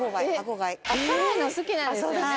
辛いの好きですよね。